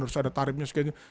terus ada tarifnya segitu